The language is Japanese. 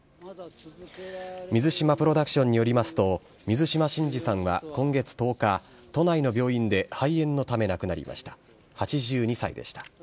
水島プロダクションによりますと、水島新司さんは今月１０日、都内の病院で肺炎のため亡くなりました。